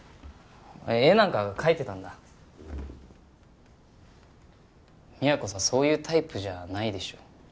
絵なんか描いてたんだ都さそういうタイプじゃないでしょ